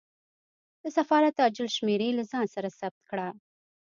د سفارت عاجل شمېرې له ځان سره ثبت کړه.